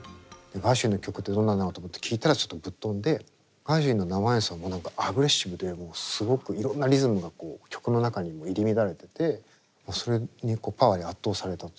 ガーシュウィンの曲ってどんなんだろうと思って聴いたらちょっとぶっ飛んでガーシュウィンの生演奏は何かアグレッシブでもうすごくいろんなリズムが曲の中にも入り乱れててそれにパワーに圧倒されたという。